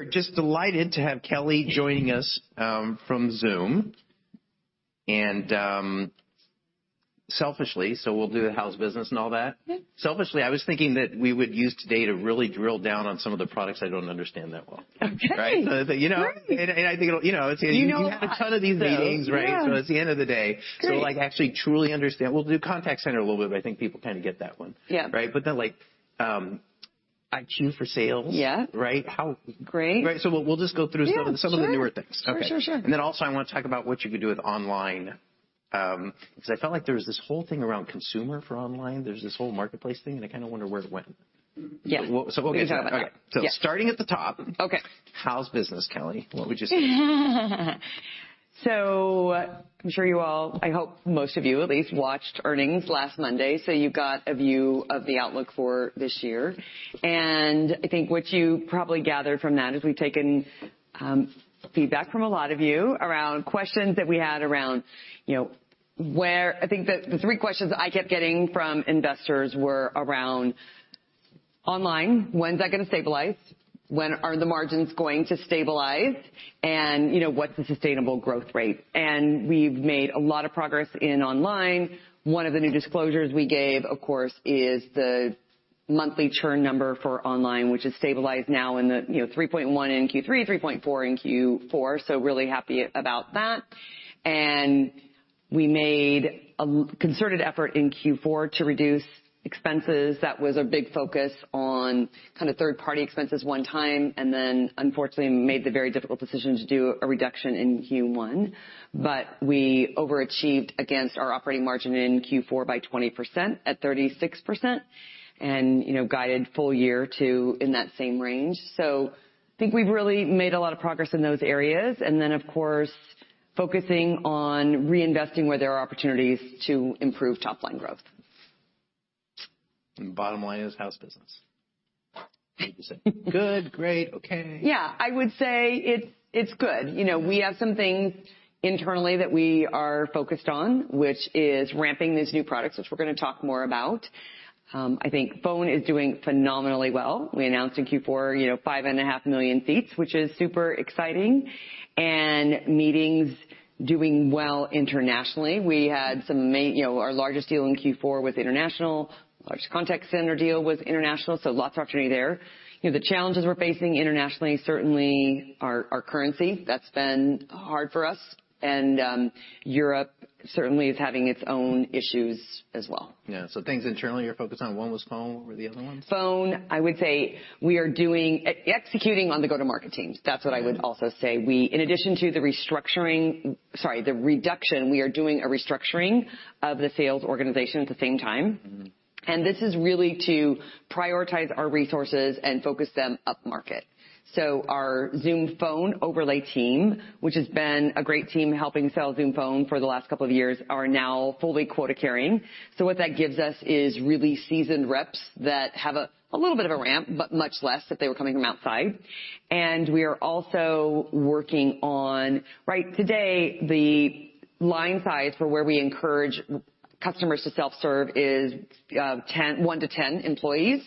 We're just delighted to have Kelly joining us, from Zoom. Selfishly, so we'll do the how's business and all that. Selfishly, I was thinking that we would use today to really drill down on some of the products I don't understand that well. Okay. Right? You know. Great. I think it'll, you know. You know a lot. You have a ton of these meetings, right? Yeah. It's the end of the day. Like, actually truly understand. We'll do contact center a little bit, but I think people kinda get that one. Yeah. Right? Like, IQ for Sales. Yeah. Right? Great. Right. We'll just go through some of the… Yeah, sure. Some of the newer things. Sure, sure. Also I wanna talk about what you can do with online, 'cause I felt like there was this whole thing around consumer for online. There's this whole marketplace thing, and I kinda wonder where it went. Yeah. We'll get to that. We can talk about that. Okay. Yeah. Starting at the top. Okay. How's business, Kelly? What would you say? I'm sure you all, I hope most of you at least, watched earnings last Monday, so you got a view of the outlook for this year. I think what you probably gathered from that is we've taken feedback from a lot of you around questions that we had around, you know, I think the three questions I kept getting from investors were around online, when's that gonna stabilize? When are the margins going to stabilize? You know, what's the sustainable growth rate? We've made a lot of progress in online. One of the new disclosures we gave, of course, is the monthly churn number for online, which has stabilized now in the, you know, 3.1 in Q3, 3.4 in Q4, so really happy about that. We made a concerted effort in Q4 to reduce expenses. That was a big focus on kind of third-party expenses one time, and then unfortunately made the very difficult decision to do a reduction in Q1. We overachieved against our operating margin in Q4 by 20% at 36% and, you know, guided full year to in that same range. I think we've really made a lot of progress in those areas. Then, of course, focusing on reinvesting where there are opportunities to improve top line growth. Bottom line is how's business? Would you say good, great, okay? Yeah. I would say it's good. You know, we have some things internally that we are focused on, which is ramping these new products, which we're gonna talk more about. I think Phone is doing phenomenally well. We announced in Q4, you know, 5.5 million seats, which is super exciting. Meetings doing well internationally. We had some, you know, our largest deal in Q4 was international. Largest Contact Center deal was international, so lots of opportunity there. You know, the challenges we're facing internationally certainly are our currency. That's been hard for us. Europe certainly is having its own issues as well. Yeah. Things internally you're focused on, one was Phone. What were the other ones? Phone. I would say we are doing executing on the go-to-market teams. That's what I would also say. We, in addition to the restructuring, sorry, the reduction, we are doing a restructuring of the sales organization at the same time. This is really to prioritize our resources and focus them upmarket. Our Zoom Phone overlay team, which has been a great team helping sell Zoom Phone for the last couple of years, are now fully quota carrying. What that gives us is really seasoned reps that have a little bit of a ramp, but much less if they were coming from outside. We are also working on. Right today, the line size for where we encourage customers to self-serve is 10, one to 10 employees.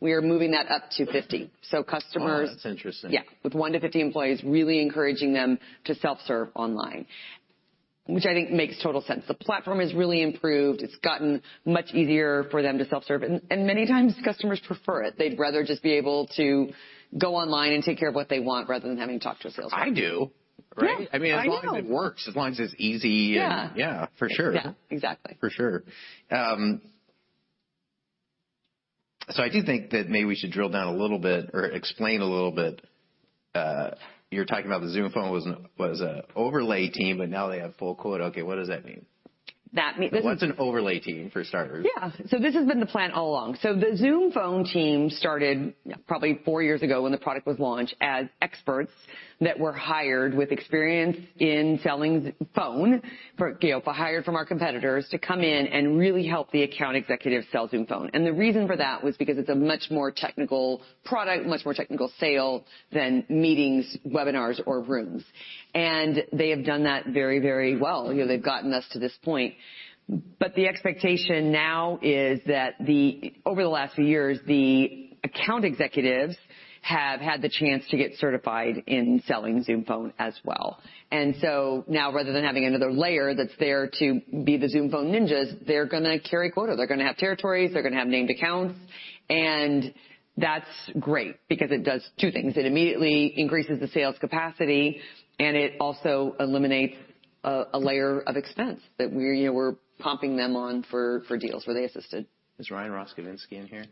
We are moving that up to 50. Oh, that's interesting. Yeah. With one to 50 employees, really encouraging them to self-serve online, which I think makes total sense. The platform has really improved. It's gotten much easier for them to self-serve, and many times customers prefer it. They'd rather just be able to go online and take care of what they want rather than having to talk to a sales rep. I do. Yeah. I know. Right? I mean, as long as it works, as long as it's easy and... Yeah. Yeah, for sure. Yeah, exactly. For sure. I do think that maybe we should drill down a little bit or explain a little bit. You're talking about the Zoom Phone was an overlay team, but now they have full quota. Okay, what does that mean? That means.. What's an overlay team, for starters? Yeah. This has been the plan all along. The Zoom Phone team started probably four years ago when the product was launched, as experts that were hired with experience in selling Zoom Phone for, you know, hired from our competitors to come in and really help the account executive sell Zoom Phone. The reason for that was because it's a much more technical product, much more technical sale than Meetings, Webinars, or Rooms. They have done that very, very well. You know, they've gotten us to this point. The expectation now is that the, over the last few years, the account executives have had the chance to get certified in selling Zoom Phone as well. Now, rather than having another layer that's there to be the Zoom Phone ninjas, they're gonna carry quota. They're gonna have territories, they're gonna have named accounts, and that's great because it does two things. It immediately increases the sales capacity, and it also eliminates a layer of expense that we, you know, we're popping them on for deals where they assisted. Is Ryan Roskovensky in here?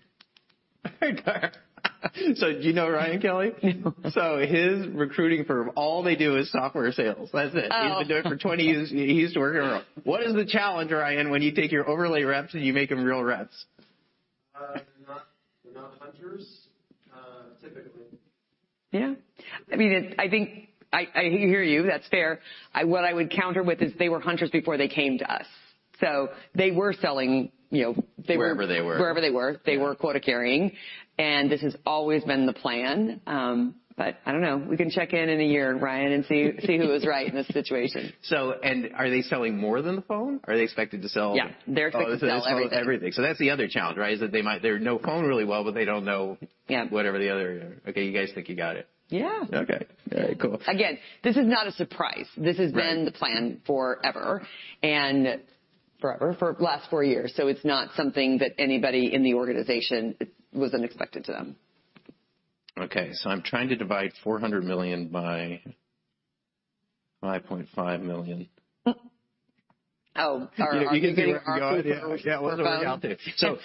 Do you know Ryan, Kelly? No. His recruiting firm, all they do is software sales. That's it. He's been doing it for 20 years. He used to work here. What is the challenge, Ryan, when you take your overlay reps, and you make them real reps? They're not hunters, typically. Yeah. I mean, it's, I think I hear you. That's fair. What I would counter with is they were hunters before they came to us. They were selling, you know. Wherever they were. Wherever they were. They were quota carrying, and this has always been the plan. I don't know. We can check in in a year, Ryan, and see who was right in this situation. Are they selling more than the phone? Yeah. They're expected to sell everything. Oh, they're selling everything. That's the other challenge, right? They know phone really well, but they don't know.. Yeah. Whatever the other. Okay, you guys think you got it? Yeah. Okay. All right. Cool. Again, this is not a surprise. Right. This has been the plan forever and forever? For the last four years. It's not something that anybody in the organization, it was unexpected to them. Okay. I'm trying to divide $400 million by $5.5 million. Oh. Are you getting our Zoom Phone? Yeah, it wasn't working out there.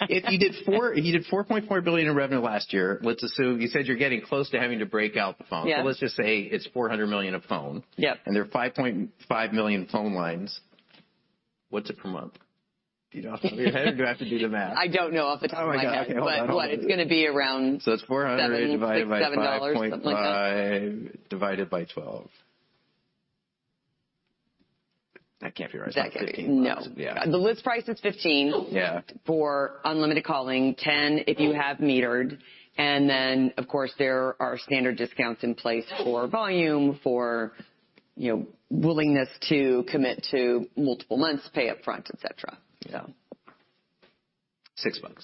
If you did four, you did $4.4 billion in revenue last year, let's assume. You said you're getting close to having to break out the phone. Yeah. Let's just say it's $400 million of phone. Yep. There are 5.5 million phone lines. What's it per month? Do you know off of your head or do I have to do the math? I don't know off the top of my head. My God. Okay, hold on. What? It's gonna be... it's 400 divided by 5.5. $767, something like that. Divided by 12. That can't be right. That can't be. That's 15. No. Yeah. The list price is $15 Yeah Or unlimited calling, $10 if you have metered. Then, of course, there are standard discounts in place for volume, for, you know, willingness to commit to multiple months, pay up front, et cetera. So. $6.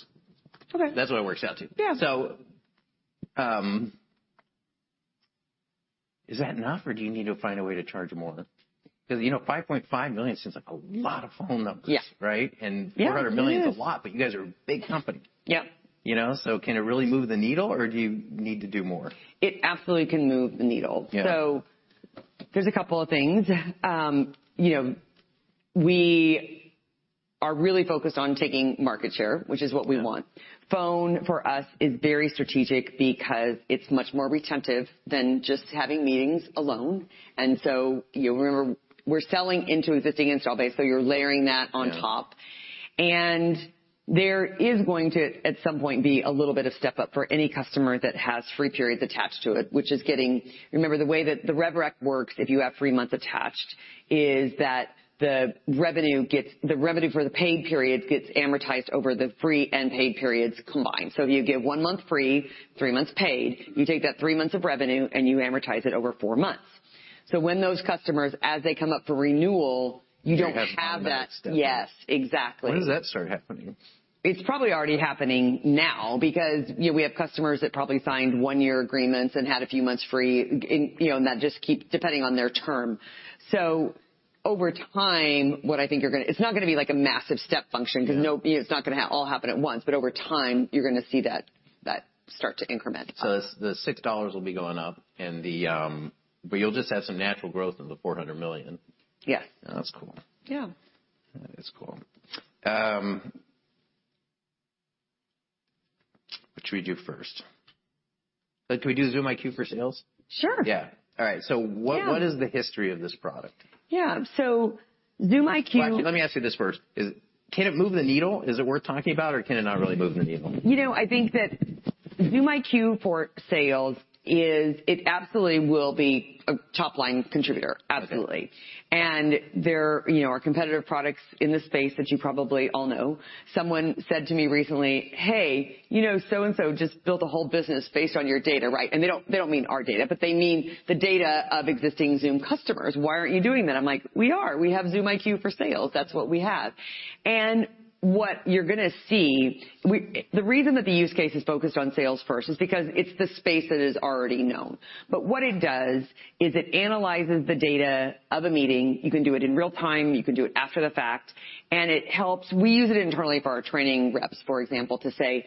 Okay. That's what it works out to. Yeah. Is that enough or do you need to find a way to charge more? 'Cause, you know, $5.5 million seems like a lot of phone numbers. Yeah. Right? Yeah, it is. $400 million is a lot, but you guys are a big company. Yep. You know? Can it really move the needle or do you need to do more? It absolutely can move the needle. Yeah. There's a couple of things. You know, we are really focused on taking market share, which is what we want. Phone for us is very strategic because it's much more retentive than just having Meetings alone. You know, remember, we're selling into existing install base, so you're layering that on top. Yeah. There is going to, at some point, be a little bit of step-up for any customer that has free periods attached to it, which is. Remember, the way that the rev rec works, if you have free months attached, is that the revenue for the paid periods gets amortized over the free and paid periods combined. If you give one month free, three months paid, you take that three months of revenue and you amortize it over four months. When those customers, as they come up for renewal, you don't have that... They have one month still. Yes, exactly. When does that start happening? It's probably already happening now because, you know, we have customers that probably signed one-year agreements and had a few months free in, you know, and that just keep depending on their term. Over time, It's not gonna be like a massive step function. Yeah Cause no, it's not gonna all happen at once, but over time, you're gonna see that start to increment. The $6 will be going up and the, but you'll just have some natural growth in the $400 million. Yes. That's cool. Yeah. That is cool. What should we do first? Can we do Zoom IQ for Sales? Sure. Yeah. All right. Yeah What is the history of this product? Yeah. Zoom IQ. Well, actually, let me ask you this first. Can it move the needle? Is it worth talking about or can it not really move the needle? You know, I think that Zoom IQ for Sales is. It absolutely will be a top-line contributor. Absolutely. There, you know, are competitive products in this space that you probably all know. Someone said to me recently, "Hey, you know, so and so just built a whole business based on your data, right?" They don't mean our data, but they mean the data of existing Zoom customers. "Why aren't you doing that?" I'm like, "We are. We have Zoom IQ for Sales. That's what we have." What you're gonna see, the reason that the use case is focused on sales first is because it's the space that is already known. What it does is it analyzes the data of a meeting. You can do it in real time, you can do it after the fact, it helps... We use it internally for our training reps, for example, to say,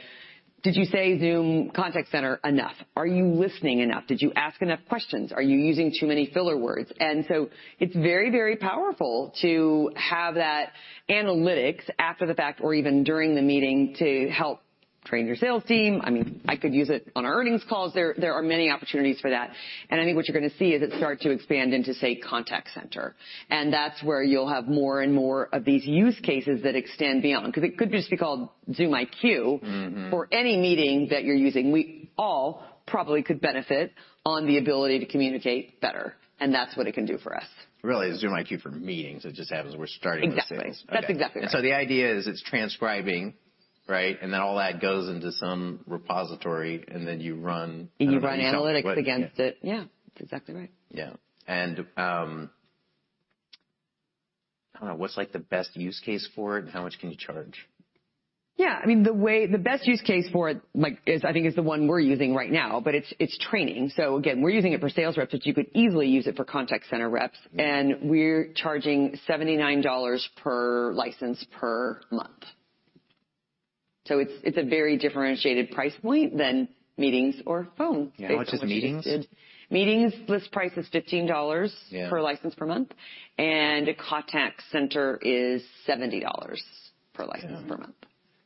"Did you say Zoom Contact Center enough? Are you listening enough? Did you ask enough questions? Are you using too many filler words?" It's very, very powerful to have that analytics after the fact or even during the meeting to help train your sales team. I mean, I could use it on our earnings calls. There are many opportunities for that. I think what you're gonna see is it start to expand into, say, contact center. That's where you'll have more and more of these use cases that extend beyond, because it could just be called Zoom IQ for any meeting that you're using. We all probably could benefit on the ability to communicate better, and that's what it can do for us. Really, it's Zoom IQ for Meetings. It just happens we're starting with sales. Exactly. Okay. That's exactly right. The idea is it's transcribing, right? All that goes into some repository. You run analytics against it. What, yeah. Yeah. That's exactly right. Yeah. I don't know, what's like the best use case for it? How much can you charge? Yeah, I mean, the best use case for it, like is, I think, the one we're using right now, but it's training. Again, we're using it for sales reps, but you could easily use it for contact center reps. We're charging $79 per license per month. It's a very differentiated price point than Meetings or Phone. Yeah. How much is Meetings? Meetings, list price is $15. Yeah Per license per month. Contact Center is $70 per license... Yeah Per month.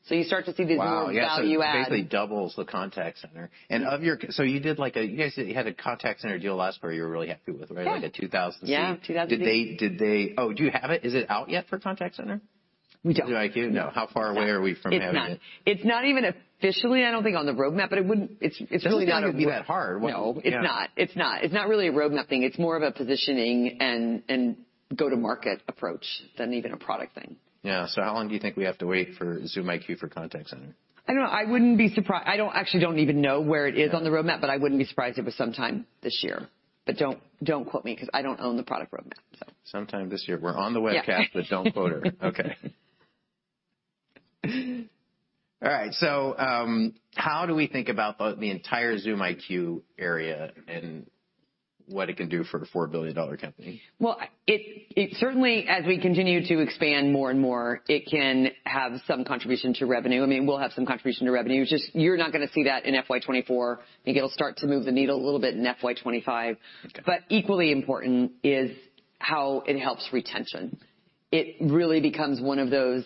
You start to see these little value add. Wow. Yeah. It basically doubles the Contact Center. You guys had a Contact Center deal last quarter you were really happy with, right? Yeah. Like a 2,000 seat. Yeah, 2,000 seat. Oh, do you have it? Is it out yet for Contact Center? We don't. Zoom IQ? No. How far away are we from having it? It's not. It's not even officially, I don't think, on the roadmap, but it's really not even.. It doesn't sound like it'd be that hard. No, it's not. It's not. It's not really a roadmapping. It's more of a positioning and go-to-market approach than even a product thing. How long do you think we have to wait for Zoom IQ for Contact Center? I don't know. I don't actually even know where it is on the roadmap, but I wouldn't be surprised if it was sometime this year. Don't quote me 'cause I don't own the product roadmap. Sometime this year. We're on the webcast. Yeah. Don't quote her. Okay. Alright so, how do we think about the entire Zoom IQ area and what it can do for a $4 billion company? Well, it certainly, as we continue to expand more and more, it can have some contribution to revenue. I mean, we'll have some contribution to revenue. Just you're not gonna see that in FY 2024. I think it'll start to move the needle a little bit in FY 2025. Equally important is how it helps retention. It really becomes one of those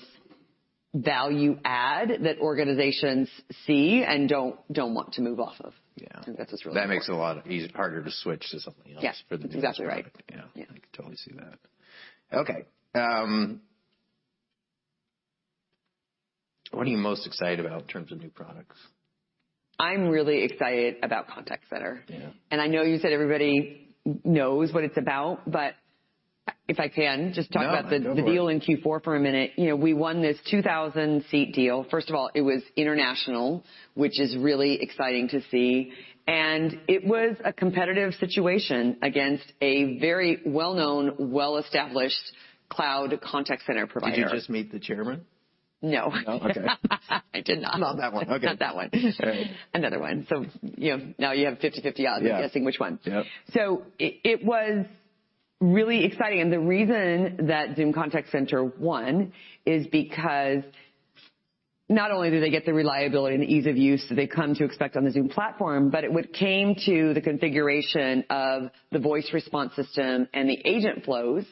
value add that organizations see and don't want to move off of. Yeah. I think that's what's really important. That makes a lot harder to switch to something else. Yes, exactly right. For the new product. Yeah. Yeah. I can totally see that. Okay, what are you most excited about in terms of new products? I'm really excited about Contact Center. Yeah. I know you said everybody knows what it's about, but if I can just talk about. No, go for it. The deal in Q4 for a minute. You know, we won this 2,000-seat deal. First of all, it was international, which is really exciting to see. It was a competitive situation against a very well-known, well-established cloud contact center provider. Did you just meet the chairman? No. No? Okay. I did not. Not that one. Okay. Not that one. All right. Another one. You know, now you have 50/50 odds of guessing which one. Yeah. It was really exciting. The reason that Zoom Contact Center won is because not only do they get the reliability and the ease of use that they come to expect on the Zoom platform, but it came to the configuration of the voice response system and the agent flows,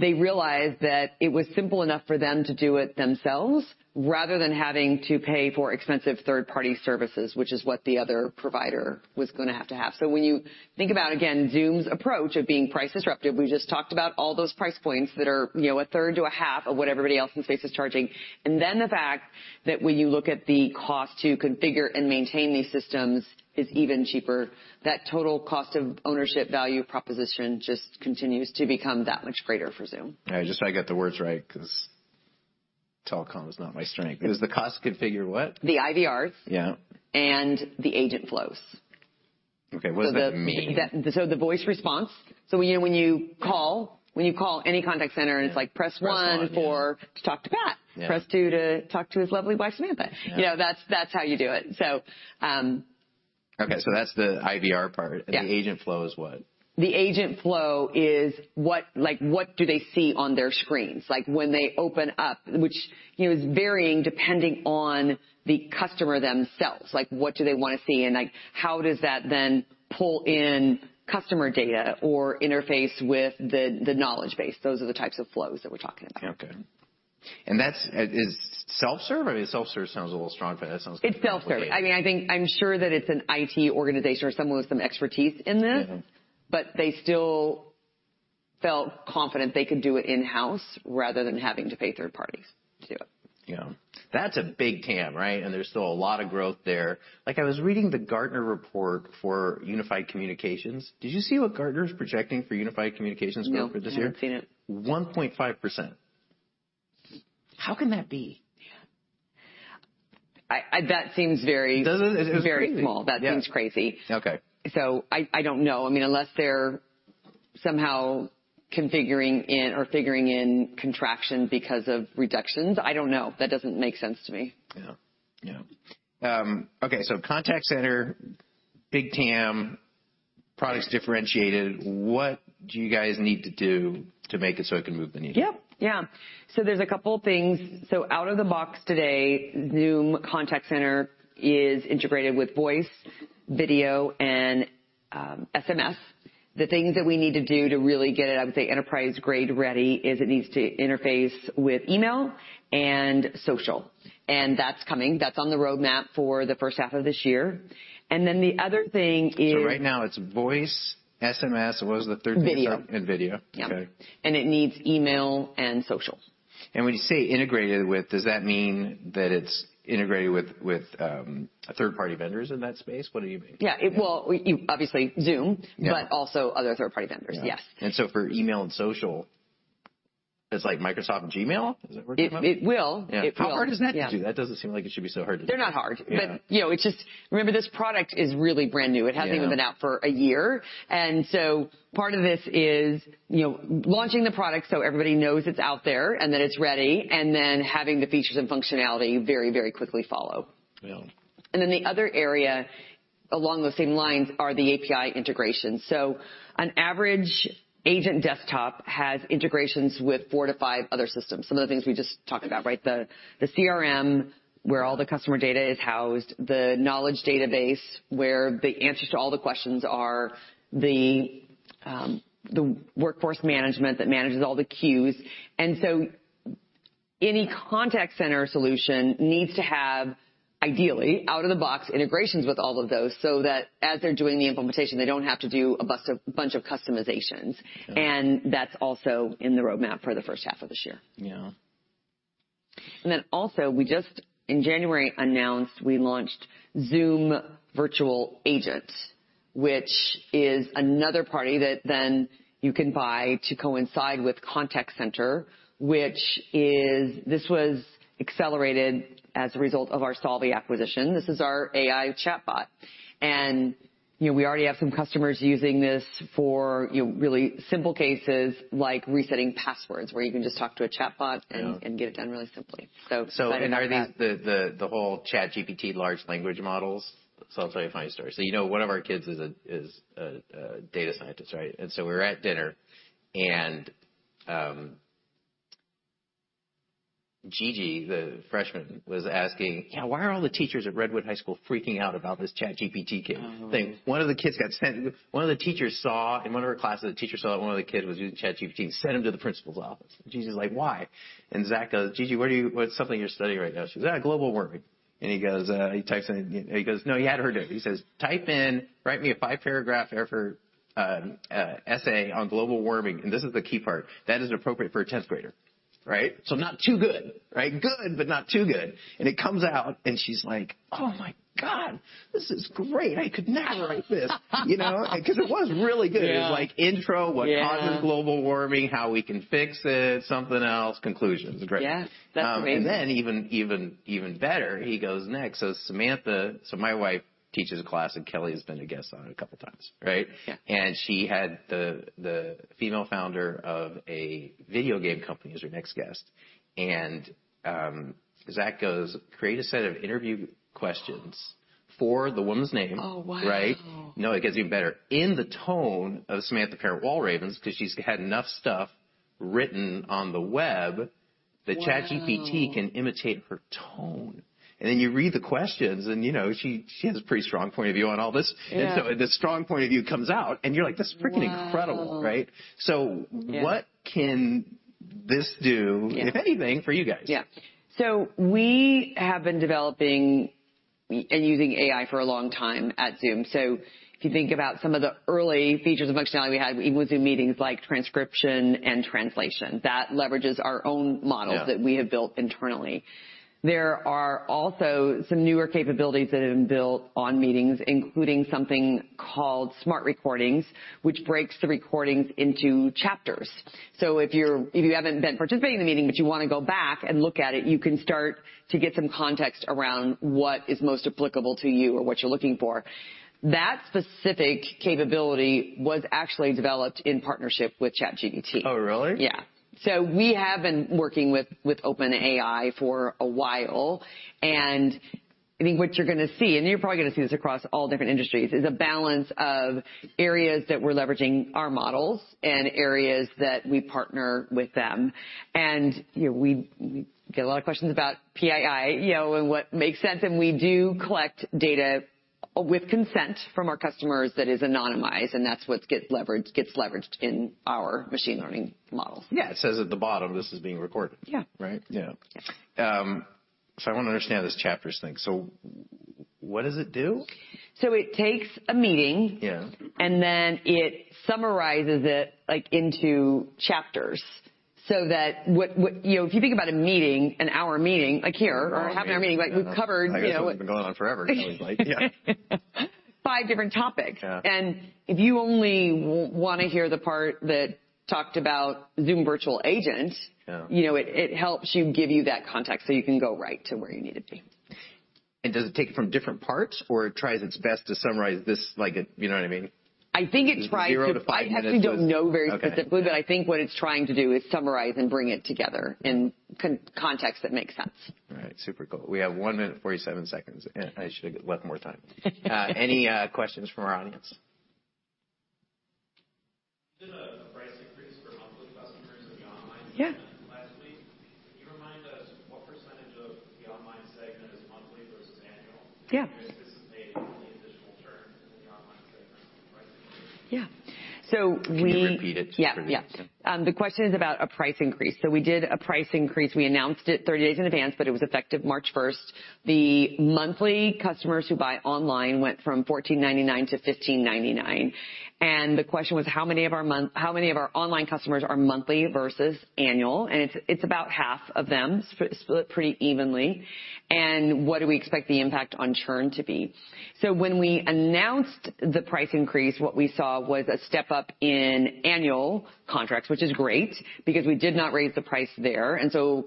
they realized that it was simple enough for them to do it themselves rather than having to pay for expensive third-party services, which is what the other provider was gonna have to have. When you think about, again, Zoom's approach of being price disruptive, we just talked about all those price points that are, you know, a third to a half of what everybody else in the space is charging. The fact that when you look at the cost to configure and maintain these systems is even cheaper. That total cost of ownership value proposition just continues to become that much greater for Zoom. Yeah, just try to get the words right, 'cause telecom is not my strength. Is the cost to configure what? The IVR's. Yeah. The Agent Flows. Okay, what does that mean? The voice response. You know, when you call any contact center, and it's like, "Press one for to talk to Pat. Press two to talk to his lovely wife, Samantha." You know, that's how you do it. Okay, that's the IVR part. Yeah. The Agent Flow is what? The Agent Flow is what, like, what do they see on their screens? Like, when they open up, which, you know, is varying depending on the customer themselves. Like, what do they wanna see, and, like, how does that then pull in customer data or interface with the knowledge base? Those are the types of flows that we're talking about. Okay. is self-serve? I mean, self-serve sounds a little strong for that. It sounds like.. It's self-serve. I mean, I think I'm sure that it's an IT organization or someone with some expertise in this. They still felt confident they could do it in-house rather than having to pay third parties too. Yeah. That's a big TAM, right? There's still a lot of growth there. Like, I was reading the Gartner report for unified communications. Did you see what Gartner's projecting for unified communications growth for this year? No, haven't seen it. 1.5%. How can that be? Yeah. That seems very, very small. It's crazy. That seems crazy. Okay. I don't know. I mean, unless they're somehow configuring in or figuring in contraction because of reductions. I don't know. That doesn't make sense to me. Yeah. Yeah. Okay, contact center, big TAM, product's differentiated. What do you guys need to do to make it so it can move the needle? Yep. Yeah. There's a couple things. Out of the box today, Zoom Contact Center is integrated with voice, video, and SMS. The things that we need to do to really get it, I would say, enterprise grade ready is it needs to interface with email and social. That's coming. That's on the roadmap for the first half of this year. The other thing is. Right now it's voice, SMS, what was the third thing? Video. Video. Yep. Okay. It needs email and social. When you say integrated with, does that mean that it's integrated with third-party vendors in that space? What do you mean? Yeah. Well, you obviously Zoom. Yeah. Also other third-party vendors. Yeah. Yes. For email and social, it's like Microsoft and Gmail? Is that where you're going? It will. Yeah. It will. How hard is that to do? That doesn't seem like it should be so hard to do. They're not hard. Yeah. You know, it's just remember, this product is really brand new. Yeah. It hasn't even been out for a year. Part of this is, you know, launching the product so everybody knows it's out there and that it's ready, and then having the features and functionality very, very quickly follow. Yeah. The other area along those same lines are the API integrations. On average, agent desktop has integrations with four-five other systems. Some of the things we just talked about, right? The CRM, where all the customer data is housed, the knowledge database, where the answers to all the questions are, the workforce management that manages all the queues. Any contact center solution needs to have Ideally, out of the box integrations with all of those, so that as they're doing the implementation, they don't have to do a bunch of customizations. Yeah. That's also in the roadmap for the first half of this year. Yeah. Also we just in January announced we launched Zoom Virtual Agent, which is another party that then you can buy to coincide with contact center. This was accelerated as a result of our Solvvy acquisition. This is our AI chatbot. You know, we already have some customers using this for, you know, really simple cases like resetting passwords, where you can just talk to a chatbot. Yeah. Get it done really simply. Excited about that. And are these the whole ChatGPT large language models? I'll tell you a funny story. You know, one of our kids is a data scientist, right? We were at dinner, and Gigi, the freshman, was asking, "Yeah, why are all the teachers at Redwood High School freaking out about this ChatGPT thing? One of the teachers saw, in one of her classes, that one of the kids was using ChatGPT and sent him to the principal's office. Gigi's like, "Why?" Zach goes, "Gigi, what's something you're studying right now?" She's like, "Global warming. "He goes, "No, you hadn't heard it." He says, "Type in, 'Write me a five-paragraph effort, essay on global warming.'" This is the key part, "That is appropriate for a tenth-grader." Right? Not too good, right? Good, but not too good. It comes out, and she's like, "Oh, my God, this is great. I could never write this." You know, because it was really good. Yeah. It was like. Yeah. What causes global warming, how we can fix it, something else, conclusions. It was great. Yes. That's amazing. Even better, he goes next. Samantha, so my wife teaches a class, and Kelly has been a guest on it a couple of times, right? Yeah. She had the female founder of a video game company as her next guest. Zach goes, "Create a set of interview questions for," the woman's name. Oh, wow. Right? No, it gets even better. In the tone of Samantha Parent Walravens, 'cause she's had enough stuff written on the web.. Wow. That ChatGPT can imitate her tone. Then you read the questions, you know, she has a pretty strong point of view on all this. Yeah. The strong point of view comes out, and you're like, "This is freaking incredible," right? Wow. Yeah. What can this do? Yeah. If anything, for you guys? Yeah. We have been developing and using AI for a long time at Zoom. If you think about some of the early features and functionality we had, even with Zoom Meetings like transcription and translation, that leverages our own models.. Yeah. That we have built internally. There are also some newer capabilities that have been built on meetings, including something called Smart Recording, which breaks the recordings into chapters. If you haven't been participating in the meeting, but you wanna go back and look at it, you can start to get some context around what is most applicable to you or what you're looking for. That specific capability was actually developed in partnership with ChatGPT. Oh, really? Yeah. We have been working with OpenAI for a while. I think what you're gonna see, and you're probably gonna see this across all different industries, is a balance of areas that we're leveraging our models and areas that we partner with them. You know, we get a lot of questions about PII, you know, and what makes sense, and we do collect data with consent from our customers that is anonymized, and that's what gets leveraged in our machine learning models. Yeah. It says at the bottom, "This is being recorded. Yeah. Right? Yeah. I wanna understand this chapters thing. What does it do? So it takes a meeting.. Yeah. It summarizes it, like, into chapters so that what. You know, if you think about a meeting, an hour meeting, like here. An hour meeting. We're having our meeting, like we've covered, you know. I guess it's been going on forever. It's always like, yeah. Five different topics. Yeah. If you only wanna hear the part that talked about Zoom Virtual Agent. Yeah. You know, it helps you give you that context, so you can go right to where you need to be. Does it take it from different parts or it tries its best to summarize this, like, You know what I mean? I think it tries to.. zero to five minutes. I actually don't know very specifically. Okay. I think what it's trying to do is summarize and bring it together in context that makes sense. All right. Super cool. We have one minute and 47 seconds, I should have left more time. Any questions from our audience? Yeah. Yeah. Yeah. So we... Can you repeat it for me? Yeah. Yeah. The question is about a price increase. We did a price increase. We announced it 30 days in advance, but it was effective March 1st. The monthly customers who buy online went from $14.99 to $15.99. The question was, how many of our online customers are monthly versus annual, and it's about half of them, split pretty evenly. What do we expect the impact on churn to be? When we announced the price increase, what we saw was a step up in annual contracts, which is great, because we did not raise the price there.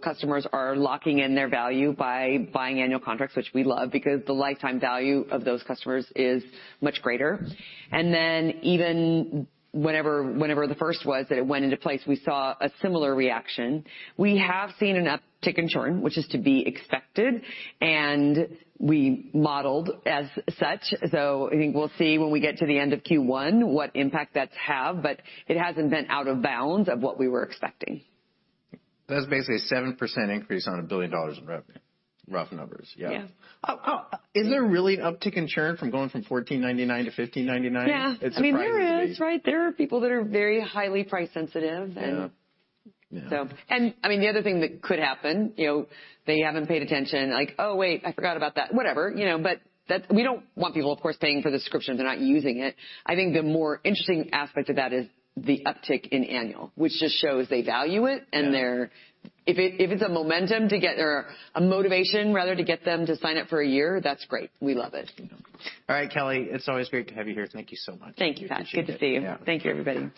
Customers are locking in their value by buying annual contracts, which we love, because the lifetime value of those customers is much greater. Even whenever the first was that it went into place, we saw a similar reaction. We have seen an uptick in churn, which is to be expected, and we modeled as such. I think we'll see when we get to the end of Q1 what impact that's had, but it hasn't been out of bounds of what we were expecting. That's basically a 7% increase on $1 billion in revenue. Rough numbers. Yeah. Yeah. Is there really uptick in churn from going from $14.99 to $15.99? Yeah. It surprises me. I mean, there is, right? There are people that are very highly price sensitive. Yeah. Yeah. I mean, the other thing that could happen, you know, they haven't paid attention, like, "Oh, wait, I forgot about that." Whatever, you know. We don't want people, of course, paying for the subscription if they're not using it. I think the more interesting aspect of that is the uptick in annual, which just shows they value it. Yeah. If it's a momentum to get or a motivation rather to get them to sign up for a year, that's great. We love it. Kelly, it's always great to have you here. Thank you so much. Thank you, Pat. Appreciate it. Good to see you. Yeah. Thank you, everybody.